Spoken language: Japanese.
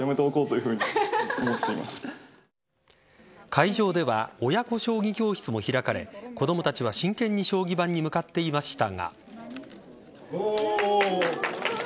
会場では親子将棋教室も開かれ子供たちは真剣に将棋盤に向かっていましたが。